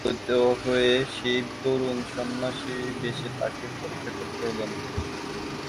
পার্বতীর তপশ্চর্যায় প্রীত হয়ে শিব তরুণ সন্ন্যাসীর বেশে তাকে পরীক্ষা করতে এলেন।